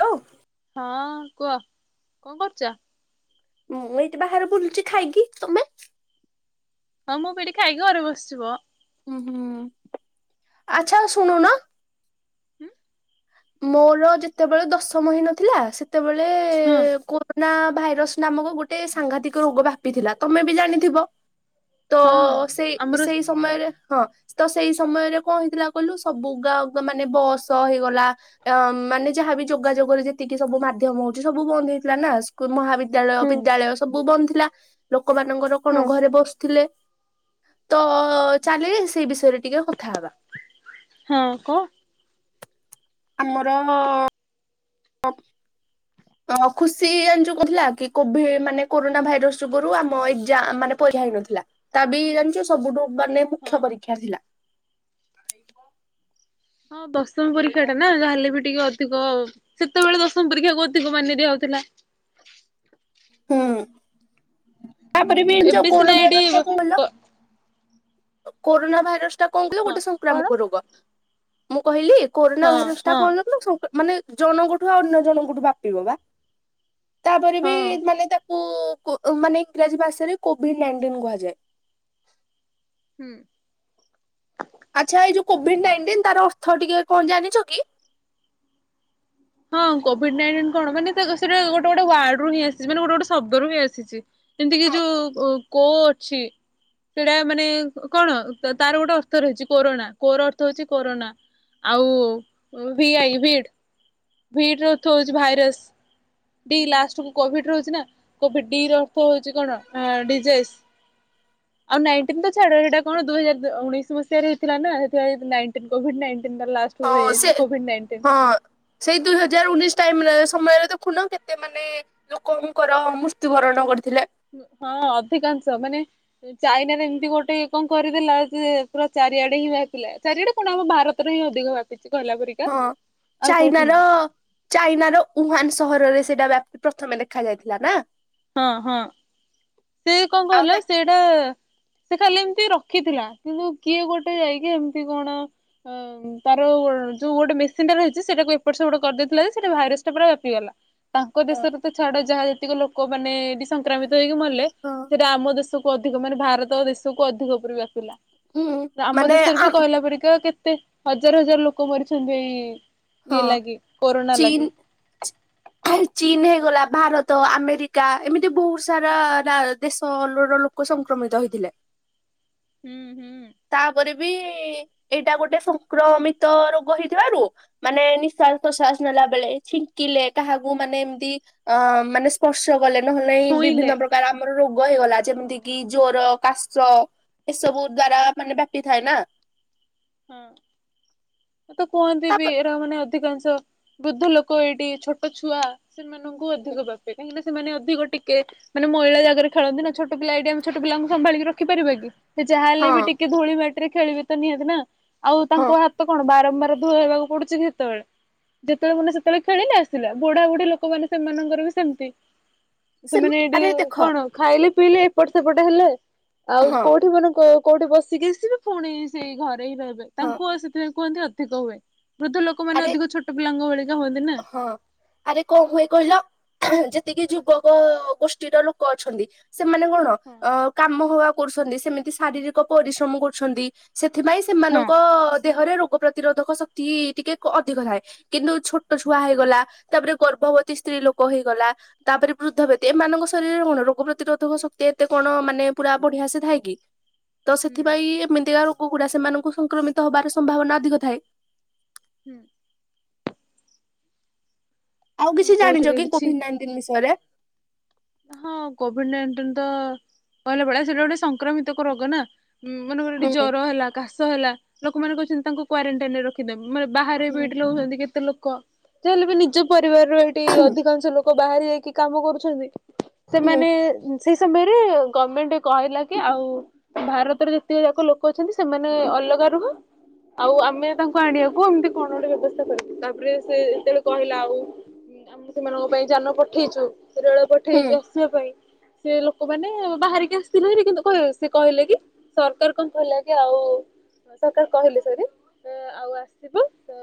Hello. ହଁ କୁହ କଣ କରୁଚ? ମୁଁ ଏଇଠି ବାହାରେ ବୁଲୁଚି ଖାଇକି ତମେ? ହଁ ମୁଁ ପି ଏଠି ଖାଇକି ଘରେ ବସିଛି ବ। ହୁଁ ହୁଁ ଆଚ୍ଛା ଶୁଣୁନ। ଉଁ ମୋର ଯେତେବେଳେ ଦଶମ ହେଇନଥିଲା ସେତେବେଳେ ହଁ କ ନା ଭାଇରସ ନାମକ ଗୋଟେ ସାଂଘାତିକ ରୋଗ ବ୍ୟାପିଥିଲା ତମେ ବି ଜାଣିଥିବ। ତ ହଁ ସେଇ ଆମର ସେଇ ସମୟରେ ହଁ ତ ସେଇ ସମୟରେ କଣ ହେଇଥିଲା କହିଲୁ ସବୁ ଗାଁ ମାନେ ବସ ହେଇଗଲା ଅ ମାନେ ଯାହାବି ଯୋଗାଯୋଗରେ ଯେତିକି ସବୁ ମାଧ୍ୟମ ହଉଛି ସବୁ ବନ୍ଦ ହେଇଥିଲା ନା ମହାବି ଦ୍ୟାଳୟ ହୁଁ ବିଦ୍ୟାଳୟ ସବୁ ବନ୍ଦ ଥିଲା, ଲୋକମାନଙ୍କର ହୁଁ କଣ ଘରେ ବସିଥିଲେ। ତ ଚାଲେ ସେଇ ବିଷୟରେ ଟିକେ କଥା ହବା। ହଁ କ ଆମର [unintelligible] ଅ ଖୁସି ଯୁ ଥିଲା କି କୋଭି ମାନେ କୋରୋନା ଭାଇରସ ଯୁଗରୁ ଆମ ଏକ୍ଜା ମାନେ ପରୀକ୍ଷା ହେଇନଥିଲା। ତା ବି ଜାଣିଛ ସବୁଠୁ ମାନେ ହଁ। ମୁଖ୍ୟ ପରୀକ୍ଷା ଥିଲା। [inaudible] ହଁ ଦଶମ ପରୀକ୍ଷା ଟା ନା ଯାହାହେଲେ ବି ଟିକେ ଅଧିକ ସେତେବେଳେ ଦଶମ ପରୀକ୍ଷାକୁ ଅଧିକ ମାନ୍ୟ ଦିଆ ହଉଥିଲା। ହୁଁ ତାପରେ ବି ଏବେ ଯୋଉ ସିନା କୋରୋନା ଏଇଠି ଭାଇରସ ଟା କଁ କହିଲ। ପ କୋନା ଭାଇରସ ଟା କଣ କଲୁ ହଁ ଗୋଟେ କଣ ସଂକ୍ରାମକ ରୋଗ। ମୁଁ କହିଲି କୋରୋନା ହଁ ଭାଇରସ ଟା ହଁ କଣ କହିଲୁ ସ ମାନେ ଜଣଙ୍କ ଠୁ ଅନ୍ୟ ଜଣଙ୍କଠୁ ବ୍ୟାପିବ ବା ତାପରେ ବି ହଁ ମାନେ ତା ମାନେ ଇଂରାଜୀ ଭାଷାରେ କୋଭିଡ ନାଇଣ୍ଟିନ କୁହାଯାଏ। ହୁଁ। ଆଚ୍ଛା ଏଇ ଯୋଉ କୋଭିଡ ନାଇଣ୍ଟିନ ତାର ଅର୍ଥ ଟିକେ କଣ ଜାଣିଛ କି? ହଁ କୋଭିଡ ନାଇଣ୍ଟିନ୍ କଣ ମାନେ ସେଟା ଗୋଟେ ଗୋଟେ ୱାର୍ଡ ରୁ ହଁ ଆସିଛି ମାନେ ଗୋଟେ ଗୋଟେ ଶବ୍ଦରୁ ହିଁ ଆସିଚି। ଯେମିତି କିି ଯୋଉ କୋ ଅଛି। ସେଇଟା ମାନେ କଣ ତାର ଗୋଟେ ଅର୍ଥ ରହିଛି କୋରୋନା କୋର ଅର୍ଥ ହଉଛି କୋରୋନା। ଆଉ ଭି ଆଇ ଭିଡ୍। ଭିଡ୍ ର ଅର୍ଥ ହଉଛି ଭାଇରସ ଡି ଲାଷ୍ଟ କୁ କୋଭିଡ ରହୁଛି ନା। କୋଭି ଡି ର ଅର୍ଥ ହଉଛି କଣ ଡିଯେସ୍। ହ ଆଉ ନାଇଟିନ୍ ତ ଛାଡ ସେଇଟା କଣ ଦୁଇ ହଜାର ଦ ଉଣେଇଶ ମସିହାରେ ହେଇଥିଲା ନା ହେଥିପାଇଁ ନାଇଟିନ୍ କୋଭିଡ ନାଇଟିନ୍ ତାର ଲାଷ୍ଟ। କୁ ତ ରହିଯାଇଛି ସେ କୋଭିଡ ନାଇଣ୍ଟିନ। ହଁ। ସେଇ ଦୁଇ ହଜାର ଉଣେଇଶ ଟାଇମ୍ ରେ ସମୟରେ ଦେଖୁନ କେତେ ମାନେ। ଲୋକଙ୍କର ମୃତ୍ୟୁବରଣ କରିଥିଲେ ହୁଁ ହଁ ଅଧିକାଂଶ ମାନେ। ଚାଇନାରେ ଏମିତି ଗୋଟେ କଣ କରିଦେଲା ଯେ ପୁରା ଚାରିଆଡେ ହିଁ ବ୍ୟାପିଲା ଚାରିଆଡେ କଣ ଆମ ଭାରତ। ତରେ ହିଁ ଅଧିକ ବ୍ୟାଟିଛି କହିଲା ପରି। ହଁ ଚାଇନାର। ଚାଇନାର ଉହାନ ସହରରେ ସେଇଟା ବ୍ୟାପି ପ୍ରଥମେ ଦେଖା ଯାଇଥିଲା ନା। ହଁ ହଁ ସେ କଁ ଆଉ କହିଲ ତା ସେ। ଡେ ସେ ଖାଲି ଏମିତି ରଖିଥିଲା କିନ୍ତୁ କିଏ ଗୋଟେ ଯାଇକି ଏମିତି କଣ। ଉଁ ତାର ଯୋଉ ଗୋଟେ ମେସିନ୍ ଟା ରହିଛି ସେଇଟାକୁ ଏପଟ୍ ସେପଟ୍ କରି ଦେଇଥିଲା ଯେ ସେଠି ଭାଇରସ୍ ଟା ପୁରା ବ୍ୟାପିଗଲା। ତାଙ୍କ ଦେଶରେ ତ ଛାଡ ଯାହା ଜେତିକ ଲୋକ ମାନେ ଏଠି ସଂକ୍ରମିତ ହେଇକି ମଲେ। ହଁ ସେଇଟା ଆମ ଦେଶକୁ ଅଧିକ ମାନେ ଭାରତ ଦେଶକୁ ଅଧିକ ଉପରେ ବ୍ୟାପିଲା। ହୁଁ ଆମ ମାନେ ଦେଶରେ ବି ଆମ୍ କହିଲା ପରିକା କେତେ ହଜାର ହଜାର ଲୋକ ମରିଛନ୍ତି ଏଇ। ହଁ ଇଏ ଲାଗି କରୋନା ଲାଗି। ଭାଇ ଚୀନ ହେଇଗଲା ଭାରତ ଆମେରିକା ଏମିତି ବହୁତ ସାରା ରା ଦେଶ ର ଲୋ ଲୋକ ସଂକ୍ରମିତ ହୋଇଥିଲେ। ହୁଁ ହୁଁ। ତାପରେ ବି ଏଇଟା ଗୋଟେ ସଂକ୍ରମିତ ରୋଗ ହୋଇଥିବାରୁ। ମାନେ ନିଶ୍ୱାସ ପ୍ରଶ୍ଵାସ ନେଲା ବେଳେ ଛିଙ୍କିଲେ କାହାକୁ ମାନେ ଏମିତି ଅ ମାନେ। ସ୍ପର୍ଶ କଲେ ନହେଲେ ନାଇଁ ଛୁଇଁଲେ ବିଭିନ୍ନ ପ୍ରକାର ଆମର ରୋଗ ହେଇଗଲା ଯେମିତି କିି ଜ୍ଵର କାଶ। ଏସବୁ ଦ୍ଵାରା ମାନେ ବ୍ୟାପି ଥାଏ ନା। ହଁ ତ କୁହନ୍ତି ବି ତାପ ଏରା ମାନେ। ଅଧିକାଂଶ ବୃଦ୍ଧ ଲୋକ ଏଇଠି ଛୋଟ ଛୁଆ। ସେମାନଙ୍କୁ ଅଧିକ ବ୍ୟାପେ କାହିଁକି ନା ସେମାନେ ଅଧିକ ଟି। କେ ମାନେ ମଇଳା ଜାଗାରେ ଖେଳନ୍ତି ନା ଛୋଟ ପିଲ ଏଇଠି ଆମେ ଛୋଟ ପିଲାଙ୍କୁ ସମ୍ଭାଳିକି ରଖି ପାରିବା କି। ସେ ଯାହା ହେଲେ ବି ହଁ ଟିକେ ଧୂଳି ମ ମାଟି ରେ ଖେଳିବି ତ ନିହାତି ନା। ଆଉ ହଁ ତାଙ୍କ ହାତ କଣ ବାରମ୍ବାର ଧୁଆଇବାକୁ ପଡୁଛି କି ସେତେ ବେଳେ। ଯେତେ ବେଳେ ମାନେ ସେତେବେଳେ ଖେଳିଲା ଆସିଲା ବୁଢା ବୁଢୀ ଲୋକମାନେ ସେମାନଙ୍କର ବି ସେମିତି। ସେ ସେମାନେ ଏଇଠି ଆରେ ଦେଖ କଣ ଖାଇଲେ ପିଇଲେ ଏପଟେ ସେପଟ ହେଲେ ଆଉ ହଁ କୋଉଠି ମାନେ କ କୋଉଠି ବସିକି ଆସିବେ ପୁଣି ସେଇ ଘରେ ହିଁ ରହିବେ ହଁ ତାଙ୍କୁ ଆଉ ସେଥିପାଇଁ କୁହନ୍ତି ଅଧିକ ହୁଏ ବୃଦ୍ଧ ଲୋକ। ଲୋକ ମାନେ ଆରେ ଅଧିକ ଛୋଟ ପିଲାଙ୍କ ଭଳିିକା ହୁଅନ୍ତି ନା। ହଁ ଆରେ କଣ ହୁଏ କହିଲ ଯେତିକି ଯୁବକ ଗୋଷ୍ଠୀର ଲୋକ ଅଛନ୍ତି। ସେମାନେ କଣ ହଁ। ଅ କାମ ହକା କରୁଛନ୍ତି ସେମିତି ଶାରୀରିକ ପରିଶ୍ରମ କରୁଛନ୍ତି। ସେଥିପାଇଁ ହଁ ସେମାନଙ୍କ ଦେହରେ ରୋଗ ପ୍ରତିରୋଧକ ଶକ୍ତି ଟିକେ କ ଅଧିକ ଥାଏ। କିନ୍ତୁ ଛୋଟ ଛୁଆ ହେଇଗଲା ତାପରେ ଗର୍ଭବତୀ ସ୍ତ୍ରୀ ଲୋକ ହେଇଗଲା। ତାପରେ ବୃଦ୍ଧ ବ୍ୟକ୍ତି ଏମାନଙ୍କ ଶରୀରରେ କଣ ରୋଗ ପ୍ରତିରୋଧକ ଶକ୍ତି ଏତେ କଣ ମାନେ ପୁରା ବଢିଆ ସେ ଥାଏକି। ତ ସେଥିପାଇଁ ଏମିତିକା ରୋଗ ଗୁଡା ସେମାନଙ୍କୁ ସଂକ୍ରମିତ ହବାର ସମ୍ଭାବନା ଅଧିକ ଥାଏ। ହୁଁ। ଆଉ ହୁଁ କିଛି କହୁଛନ୍ତି ଜାଣିଛ କି ଏଠି ଛି କୋଭିଡ ନାଇଣ୍ଟିନ ବିଷୟରେ। ହଁ କୋଭିଡ ନାଇଣ୍ଟିନ ତ କହିଲା ବେଳେ ସେଇଟା ଗୋଟେ ସଂକ୍ରମିତକ ରୋଗ ନା। ହୁଁ ମନେ କର ଏଠି ହୁଁ ଜ୍ୱର ହେଲା କାଶ ହେଲା ଲୋକମାନେ କହିଛନ୍ତି ତାଙ୍କୁ କ୍ୱାରେଣ୍ଟାଇନ ରେ ରଖ। ଖିବେ ମାନେ ବାହାରେ ହୁଁ ବି ଏଠି ରହୁଛନ୍ତି କେତେ ଲୋକ ଯାହା ହେଲେ ବି ନିଜ ପରିବାରର ଏଇଠି ଅଧିକାଂଶ ଲୋକ। ଲୋକ ବାହାରି ଯାଇକି କାମ କରୁଛନ୍ତି। ହୁଁ ସେମାନେ ସେଇ ସମୟରେ ଗମେଣ୍ଟ କହିଲା କି ଆଉ। ଭାରତରେ ଯେତିକି ଯାକ ଲୋକ ଅଛନ୍ତି ସେମାନେ ଅଲଗା ରୁହ। ଆଉ ଆମେ ତାଙ୍କୁ ଆଣିବାକୁ ଏମିତି କଣ ଗୋଟେ ବ୍ୟବସ୍ଥା କରିବୁ ଆଉ ତାପରେ ସେ ଯେତେବେଳେ କହିଲା ଆଉ ଆମେ ସେମାନଙ୍କ ପାଇଁ ଯାନ ପଠେଇଛୁ ରେଳ ହୁଁ ପଠେଇଛୁ ଆସିବା ପାଇଁ। ସେ ଲୋକମାନେ ବାହାରିକି ଆସିଥିଲେ କିନ୍ତୁ କ ସେ କହିଲେ କି ସରକାର କଣ କହିଲେ ଆଜ୍ଞା ଆଉ ସରକାର କହିଲେ ସରି ହଁ ଆଉ ଆସିବ ତ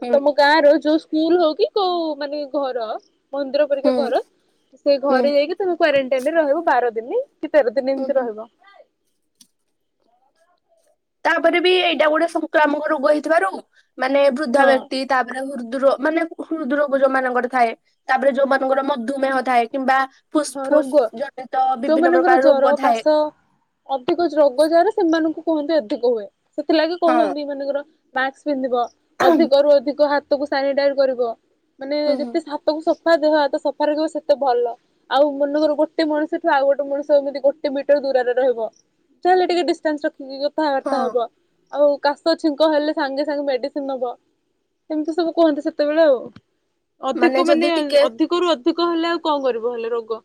ହୁଁ ତମ ଗାଁ ର ଯୋଉ ସ୍କୁଲ ହଉ କି କୋଉ ମାନେ ଘର ମନ୍ଦିର ପରୀକା ହୁଁ। ଘର। ସେ ହୁଁ ଘରେ ଯାଇକି ତମେ କ୍ୱାରେଣ୍ଟାଇନ ରେ ରହିବ ବାର ଦିନ କି ତେର ଦିନ ହୁଁ ଏମିତି ହୁଁ ରହିବ। ତାପରେ ବି ଏଇଟା ଗୋଟେ ସଂକ୍ରାମକ ରୋଗ ହେଇଥିବାରୁ ମାନେ ବୃଦ୍ଧା ହଁ। ବ୍ୟକ୍ତି ତାପରେ ହୃଦ୍ରରୋ ମାନେ ହୃଦରୋଗ ଯୋଉଁମାନଙ୍କର ଥାଏ। ତାପରେ ଯୋଉମାନଙ୍କର ମଧୁମେହ ଥାଏ କିମ୍ବା ହଁ ଫୁସ୍ଫୁସ୍ ରୋଗ ଜନିତ ବିଭିନ୍ନ ଯୋଉମାନଙ୍କର ପ୍ରକାର ଜର ରୋଗ ଥାଏ। କାଶ ଅଧିକ ରୋଗ ଯାହାର ସେମାନଙ୍କୁ କୁହନ୍ତି ଅଧିକ ହୁଏ ସେଥିଲାଗି ହଁ କହୁଛନ୍ତି ଏମାନଙ୍କର ମାସ୍କ ପିନ୍ଧିବ ହୁଁ ଅଧିକରୁୁ ଅଧିକ ହାତକୁ ସାନିଟାଇଜ କରିବ ମାନେ ହୁଁ ଯେତେ ସଫ ତୁ ସଫା ଦେହ ହାତ ସଫା ରଖିବ ସେତେ ଭଲ। ଆଉ ମନେକର ଗୋଟେ ମଣିଷ ଠୁ ଆଉ ଗୋଟେ ମଣିଷ ଏମିତି ଗୋଟେ ମିଟର ଦୂରରେ ରହିବ। ତାହେଲେ ଟିକେ ଡିଷ୍ଟାନ୍ସ ରଖିକି ହଁ କଥାବାର୍ତ୍ତା ହବ। ଆଉ କାଶ ଛିଙ୍କ ହେଲେ ସାଙ୍ଗେ ସାଙ୍ଗେ ମେଡିସିନ ନବା। ଏମିତି ସବୁ କୁହନ୍ତି ସେତେବେଳେ ଆଉ। ଅଧିକ ଯଦି ମାନେ ଟିକେ ଅଧିକରୁୁ ଅଧିକ ହେଲେ ଆଉ କଣ କରିବ ହେଲେ ରୋଗ।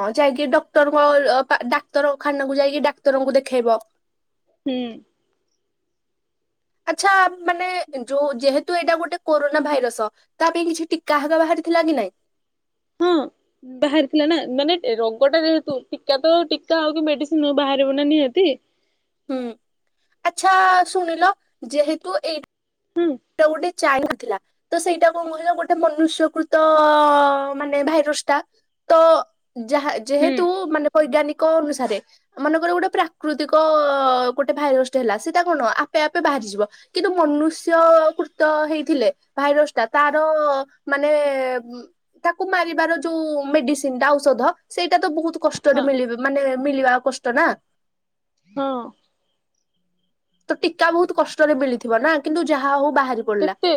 ହଁ ଯାଇକି ଡକ୍ଟରଙ୍କ ଡାକ୍ତରଖାନାକୁ ଯାଇକି ଡାକ୍ତରଙ୍କୁ ଦେଖେଇବ। ହୁଁ। [unintelligible] ଆଚ୍ଛା ମାନେ ଯୋଉ ଯେହେତୁ ଏଇଟା ଗୋଟେ କୋରୋନା ଭାଇରସ। ତା ପାଇଁ କିଛି ଟିକା‌ ହେକା ବାହାରି ଥିଲା କି ନାଇଁ? ହଁ [inaudible] [unintelligible] ବାହାରିଥିଲା ନା ମାନେ ରୋଗଟା ଯେହେତୁ ଟୀକା ତ ଟୀକା ହୋଉ କି ମେଡିସିନ ବାହାରିବ ନା ନିହାତି। ହୁଁ ଆଚ୍ଛା ଶୁଣିଲ ଯେହେତୁ ଏଇ ହୁଁ। [unintelligible] ଗୋଟେ ଚାହିଁନଥିଲା। ତ ସେଇଟା କଣ କହିଲ ଗୋଟେ ମନୁଷ୍ୟକୃତ ମାନେ ଭାଇରସ ଟା। ତ ଯାହା ହୁଁ ଯେହେତୁ ମାନେ ବୈଜ୍ଞାନିକ ଅନୁସାରେ। ମନେକର ଗୋଟେ ପ୍ରାକୃତିକ ଗୋଟେ ଭାଇରଗଷ୍ଟ ହେଲା ସେଟା କଣ ଆପେ ଆପେ ବାହାରିଯିବ। କିନ୍ତୁ ମନୁ ସ୍ୟ କୃତ ହେଇଥିଲେ ଭାଇରସ ଟା ତାର ମାନେ ତାକୁ ମାରିବାର ଯୋଉ ମେଡିସିନ ଟା ଔଷଧ ସେଇଟା ତ ବହୁତ ହଁ କଷ୍ଟ।।, [unintelligible] ମାନେ ମିଳିବା କଷ୍ଟ ନା। ହଁ। ତ ଟୀକା ବହୁତ କଷ୍ଟରେ ମିଳିଥିବ ନା କିନ୍ତୁ ଯାହା ହଉ। ବାହାରି ପଡିଲା କେତେ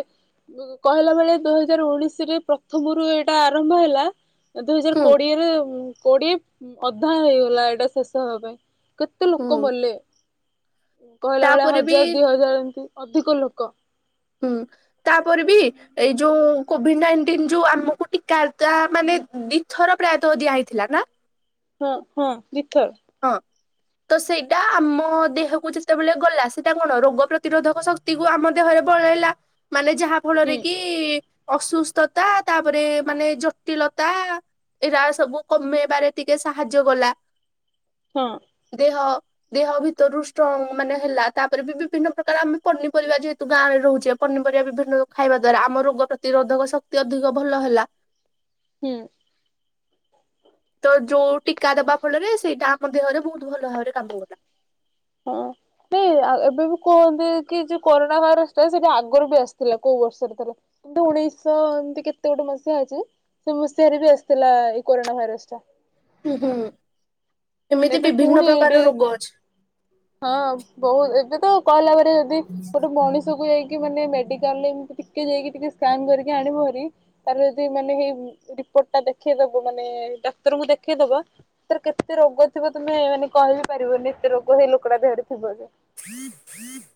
କହିଲା ବେଳେ ଦୁଇ ହଜାର ଉଣେଇଶ ରେ ପ୍ରଥମରୁ ଏଇଟା ଆରମ୍ଭ ହେଲା। ଦୁଇ ହଜାର ହୁଁ କୋଡିଏରେ କୋଡିଏ ଅଧା ହେଇଗଲା ଏଇଟା ଶେଷ ହବା ପାଇଁ। କେତେ ଲୋକ ହୁଁ। ମଲେ କହିଲା ବେଳେ ତାପରେ ହଜାର ବି ଦି ହଜାର ଏମତି ଅଧିକ ଲୋକ। ହୁଁ ତାପରେ ବି ଏଇ ଯୋଉ କୋଭିଡ ନାଇଣ୍ଟିନ ଯୋଉ ଆମକୁ ଟିକା ମାନେ ଦିଥର ପ୍ରାୟତଃ ଦିଆହଇଥିଲା ନା? ହଁ ହଁ ଦିଥର। ତି ହଁ ତ ସେଇଟା ଆମ ଦେହକୁ ଯେତେବେଳେ ଗଲା ସେଇଟା କଣ ରୋଗ ପ୍ରତିରୋଧକ ଶକ୍ତି ତି କୁୁ ଆମ ଦେହରେ ବଳେଇଲା ମାନେ ଯାହା ଫଳରେ ହୁଁ କି ତି ଅସୁସ୍ଥତା ତାପରେ ମାନେ ଜଟିଳତା ଏଇଟା ସବୁ କମେଇବାରେ ଟିକେ ସାହାଯ୍ୟ କଲା। ହଁ। ଦେହ ଦେହ ଭିତରୁ ଷ୍ଟ୍ରଙ୍ଗ ମାନେ ହେଲା ତାପରେ ବି ବିଭିନ୍ନ ପ୍ରକାର ଆମେ ପନିପରିବା ଯେହ ତୁ ଗାଁ ରେ ରହୁଛେ ପନିପରିବା ବିଭିନ୍ନ ଖାଇବା ଦ୍ଵାରା ଆମ ରୋଗ ପ୍ରତିରୋଧକ ଶକ୍ତି ଅଧିକ ଭଲ ହେଲା। ହୁଁ। ତ ଯୋଉ ଟୀକା ଦବା ଫଳରେ ସେଇଟା ଆମ ଦେହରେ ବହୁତ ଭଲ ଭାବରେ କାମ କଲା। ହଁ। ନାଇଁ ଆ ଏବେ ବି କୁହନ୍ତି କି ଯୋଉ କରୋନା ଭାଇରସ ଟା ସେଟା ଆଗରୁ ବି ଆସିଥିଲା କୋଉ ବର୍ଷରେ ଥରେ। କିନ୍ତୁ ଉଣେଇଶହ ଏମତି କେତେ ଗୋଟେ ମସିହା ଅଛି ସେ ମସିହାରେ ବି ଆସିଥିଲା ଏଇ କରୋନା ଭାଇରସ ଟା। ହୁଁ ହୁଁ ଏମିତି ଏବେ ବିଭିନ୍ନ ପୁଣି ଏଇଠି ପ୍ରକାର ରୋଗ ଅଛି। ହଁ ବହୁ ଏବେ ତ କହିଲା ଭାରି ଯଦି ଗୋଟେ ମଣିଷକୁ ଏଇ କି ମାନେ ମେଡ଼ିକାଲରେ ଏମିତି ଟିକେ ଯାଇକି ଟିକେ ସ୍କାନ୍ କରିକି ଆଣିବୁ ହରି ତାର ଯଦି ମାନେ ହେଇ ରିପୋର୍ଟ ଟା ଦେଖେଇଦବୁ ମାନେ ଡାକ୍ତରଙ୍କୁ ଦେଖେଇଦବା ତାର କେତେ ରୋଗ ଥିବ ତୁମେ ମାନେ କହିବି ପାରିବନି ଏତେ ରୋଗ ହେଇ ଲୋକଟା ଦେହରେ ଥିବଯେ। [inaudible]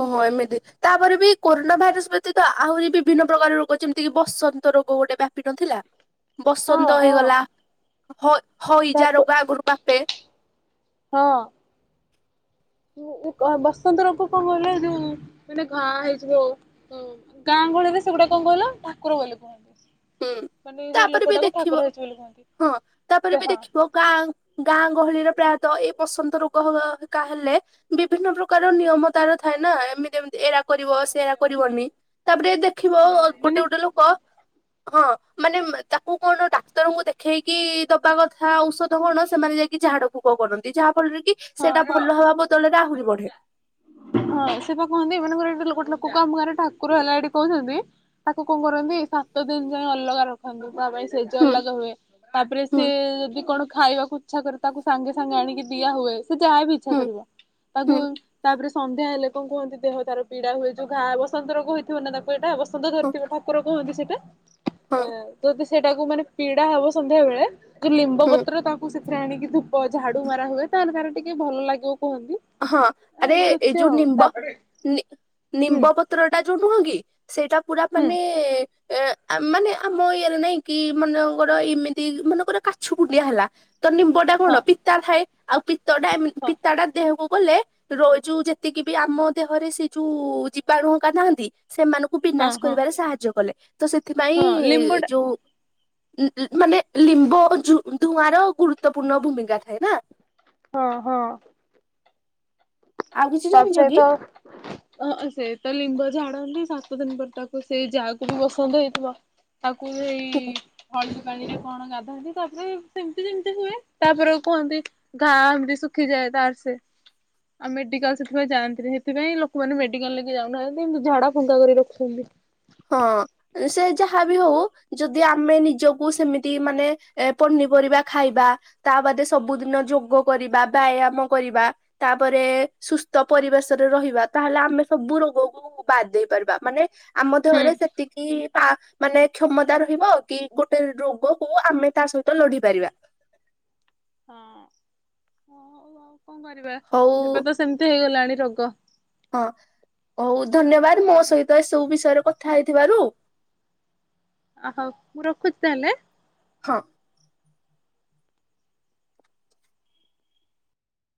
ଓହୋ ଏମିତି। ତାପରେ ବି କୋରୋନା ଭାଇରସ ବ୍ୟତୀତ ଆହୁରି ବିଭିନ୍ନ ପ୍ରକାର ରୋଗ ଯେମିତିକି ବସନ୍ତ ରୋଗ ଗୋଟେ ବ୍ୟାପି ନଥିଲା? ହଁ ବସନ୍ତ ହଁ ହେଇଗଲା ହ ହଇଜା ରୋଗ ଆଗରୁ ବାପେ। ହଁ। ଉ ଉଁ କ ବସନ୍ତ ରୋଗ କଂ କହିଲ ଯୋଉ ମାନେ ଘା ହେଇଯିବ ଅଁ ଗାଁ ଗହଳିରେ ସେଗୁଡ଼ା କଂ କହିଲ ଠାକୁର ବୋଲି କୁହନ୍ତି। ହୁଁ ମାନେ ସେଇ ତାପରେ ବି ଲୋକଟାକୁ ଠାକୁର ଦେଖିବ ହେଇଛି ବୋଲି କୁହନ୍ତି। ହଁ ତାପରେ ବି ହଁ ଦେଖିବ ଗାଁ ଗାଁ ଗହଳିରେ ପ୍ରାୟତଃ ଏଇ ବସନ୍ତ ରୋଗ ହବା ହେକା ହେଲେ ବିଭିନ୍ନ ପ୍ର କାର ନିୟମ ତାର ଥାଏ ନା ଏମିତି ଏମତି ଏରା କରିବ ସେରା କରିବନି। ତାପରେ ଦେଖିବ ଅ ଗୋଟେ ମାନେ ଗୋଟେ ଲୋକ ହଁ ମାନେ ମା ତାକୁ କଣ ଡାକ୍ତ ର ଙ୍କୁ ଦେଖେଇକି ଦବା କଥା ଔଷଧ କଣ ସେମାନେ ଯାଇକି ଝାଡ଼ ଫୁକ କରନ୍ତି ଯାହା ଫଳରେ କି ସେଟା ଭଲ ହବା ବଦଳରେ ଆହୁରି ବଢ଼େ। ହଁ ସେ ବା କୁହନ୍ତି ଏ ମାନଙ୍କର ଏଠି ଲୋକ ଟେ ଲୋକ କ ଆମ ଗାଁ ରେ ଠାକୁର ହେଲା ଏଠି କହୁଛନ୍ତି ତାକୁ କଣ କରନ୍ତି ସାତ ଦିନ ଯାଏ ଅଲଗା ରଖ ଖନ୍ତି ତା ପାଇଁ ସେଜ ହୁଁ ଅଲଗା ହୁଏ ତାପରେ ହୁଁ ସେ ଯଦି କଣ ଖାଇବାକୁ ଇଛା କରେ ତାକୁ ସାଙ୍ଗେ ସାଙ୍ଗେ ଆଣିକି ଦିଆ ହୁଏ ସେ ଯାହା ବିି ଇଚ୍ଛା ହୁଁ କରିବ ତାକୁ ହୁଁ ତାପରେ ସେ ସନ୍ଧ୍ୟା ହେଲେ କନ୍ କୁହନ୍ତି ଦେହ ତାର ପୀଡ଼ା ହୁଏ ଯୋଉ ଘା ବସନ୍ତ ରୋଗ ହୋଇଥିବ ନା ତାକୁ ଏଇଟା ବସ୍ ସନ୍ତ ହଁ ଧରିଥିବ ଠାକୁର କୁହନ୍ତି ସେଟା ହଁ ଏଁ ଯଦି ସେଇଟାକୁ ମାନେ ପୀଡ଼ା ହବ ସନ୍ଧ୍ୟା ବେଳେ ଯୌ ଲିମ୍ବ ହଁ ପତ୍ର ତାକୁ ସେଥିରେ ଆଣିକି ଧୁପ୍ ପ ଝାଡ଼ୁ ମରା ହୁଏ ତାହେଲେ ତାର ଟିକେ ଭଲ ଲାଗିବ କୁହନ୍ତି। ହଁ ଆରେ ଏମିତି ଏଇ ଅଛି ଯୋଉ ଆଉ ନିମ୍ବ ତାପରେ ନି ହୁଁ ନିମ୍ବ ପତ୍ର ଟା ଯୋଉ ନୁହଁ କି ସେଇଟା ପୁରା ହୁଁ ମାନେ ଏ ଆ ମାନେ ଆମ ଇଏରେ ନାଇଁ କି ମାନେକର ଏମିତି ମନେକର କାଛୁ କୁଣ୍ଡିଆ ହେଲା ତ ନିମ୍ବ ଟା ହଁ କଣ ପିତା ଥାଏ ଆଉ ପିତ୍ତଟା ଏମି ହଁ ପିତାଟା ଦେହକୁ ଗଲେ ରୋ ଏ ଯୋଉ ଯେତିକି ବି ଆମ ଦେହରେ ସେ ଯୋଉ ଜୀବାଣୁ ହକା ନାହାନ୍ତି ସେମାନ ଙ୍କୁ ହଁ ବିନାଶ ହଁ କରିବାରେ ସାହାଯ୍ୟ କଲେ ତ ସେଥିପାଇଁ ହଁ ଲିମ୍ବଟା ଯୋଉ ଉଁ ଉଁ ମାନେ ଲିମ୍ବ ଜୁ ଧୂଆଁ ର ଗୁରୁତ୍ୱପୂର୍ଣ୍ଣ ଭୂମିକା ଥାଏ ନା। ହଁ ହଁ। ଆଉ କିଛି ତାପରେ ଜାଣିଛ କି? ତ ଅ ହ ସେ ତ ଲିମ୍ବ ଝାଡ଼ନ୍ତି ସାତ ଦିନ ପରେ ତାକୁ ସେଇ ଯାହାକୁ ବି ବସନ୍ତ ହେଇଥିବ ତାକୁ ହେଇ ହଳଦୀ ପାଣିରେ କଣ ଗାଧାନ୍ତି ତାପରେ ସେମତି ସେମିତି ହୁଏ ତାପରେ କୁହନ୍ତି ଘା ଏମିତି ସୁଖି ଯାଏ ତାର ସେ ଆ ମେଡ଼ିକାଲ୍ ସେଥିପାଇଁ ଯାଆନ୍ତିନି ହେଥିପାଇଁ ଲୋକମାନେ ମେଡ଼ିକାଲ ଲି ଯାଉନାହାନ୍ତି କିନ୍ତୁ ଝାଡ଼ା ଫୁଙ୍କା କରି ରଖୁଛନ୍ତି। ହଁ। ଏ ସେ ଯାହା ବିି ହଉ ଯଦି ଆମେ ନିଜକୁ ସେମିତି ମାନେ ଏ ପନିପରିବା ଖାଇବା ତା ବାଦେ ସବୁଦିନ ଯୋଗ କରିବା ବ୍ୟାୟାମ କରିବା ତାପରେ ସୁସ୍ଥ ପରିବେଶରେ ରହିବା ତାହେଲେ ଆମେ ସବୁ ରୋଗକୁ। ବାଦ୍ ଦେଇ ପାରିବା ମାନେ ଆମ ହୁଁ ଦେହରେ ସେତିକି ପା ମାନେ କ୍ଷମତା ରହିବ କି ଗୋଟେ ରୋଗକୁ ଆମେ ତା ସହିତ ଲଢି ପାରିବା। ହଁ। ହଉ ଆଉ କଣ କରିବା ହଉ ଏବେ ତ ସେମିତି ହେଇଗଲାଣି ରୋଗ। ହଁ ହଉ ଧନ୍ୟବାଦ ମୋ ଓହୋ ସହିତ ଏ ସବୁ ବିଷୟରେ କଥା ହେଇଥିବାରୁ। ଓ ହଉ ମୁଁ ରଖୁଛି ତାହେଲେ। ହଁ।